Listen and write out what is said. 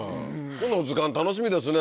今度の図鑑楽しみですね。